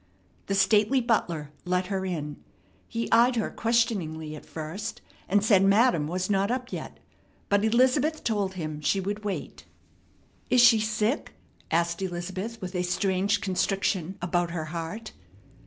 The stately butler let her in. He eyed her questioningly at first, and said madam was not up yet; but Elizabeth told him she would wait. "Is she sick?" asked Elizabeth with a strange constriction about her heart.